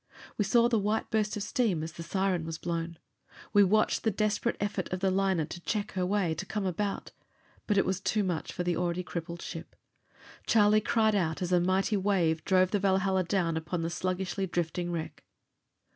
We saw the white burst of steam as the siren was blown. We watched the desperate effort of the liner to check her way, to come about. But it was too much for the already crippled ship. Charlie cried out as a mighty wave drove the Valhalla down upon the sluggishly drifting wreck.